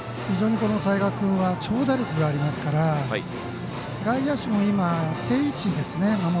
非常に齊賀君は長打力がありますから、外野手も定位置ですね。